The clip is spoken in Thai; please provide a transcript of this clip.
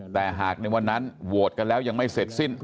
แต่หากในวันนั้นโหวตกันแล้วยังไม่เสร็จสิ้น